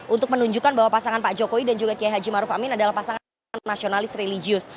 untuk menunjukkan bahwa pasangan pak jokowi dan juga kiai haji maruf amin adalah pasangan nasionalis religius